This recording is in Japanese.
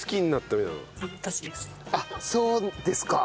そうですか。